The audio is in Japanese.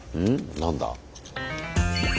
何だ？